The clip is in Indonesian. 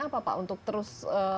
apa pak untuk terus